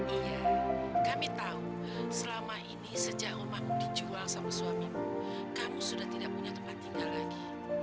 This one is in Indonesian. iya kami tahu selama ini sejak emakmu dijual sama suamimu kamu sudah tidak punya tempat tinggal lagi